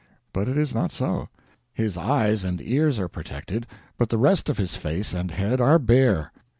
But it is not so; his eyes and ears are protected, but the rest of his face and head are bare.